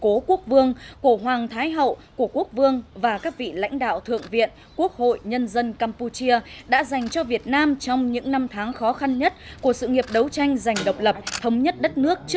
tổng bí thư chủ tịch nước của hoàng thái hậu của quốc vương và các vị lãnh đạo thượng viện quốc hội nhân dân campuchia đã dành cho việt nam trong những năm tháng khó khăn nhất của sự nghiệp đấu tranh giành độc lập thống nhất đất nước trước đây cũng như trong sự nghiệp xây dựng và bảo vệ tổ quốc ngày nay